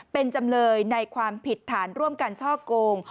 เป็นจำเลยในความผิดฐานร่วมกันช่อโกง